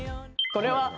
これは。